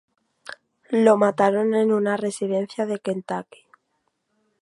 Lo mataron en una residencia de Kentucky.